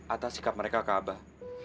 atas sikap mereka ke abah